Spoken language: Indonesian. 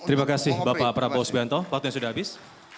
terima kasih bapak prabowo subianto waktunya sudah habis